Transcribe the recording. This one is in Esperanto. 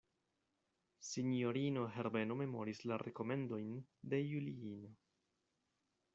Sinjorino Herbeno memoris la rekomendojn de Juliino.